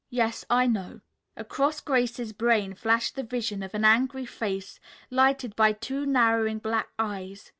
"Yes, I know," Across Grace's brain flashed the vision of an angry face, lighted by two narrowing black eyes.